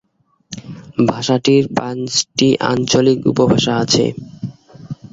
ভাষাটির পাঁচটি আঞ্চলিক উপভাষা আছে।